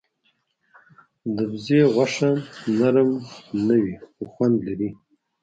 د بزه غوښه نرم نه وي، خو خوند لري.